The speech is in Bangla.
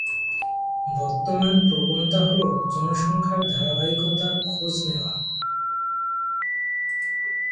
বর্তমান প্রবণতা হল জনসংখ্যার ধারাবাহিকতার খোঁজ নেওয়া।